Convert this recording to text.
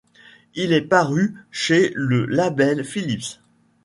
Il est paru chez le label Philips.